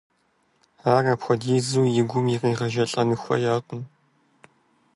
Ар апхуэдизу и гум иригъэжэлӏэн хуеякъым.